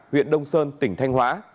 huyện đông sơn tỉnh thanh hóa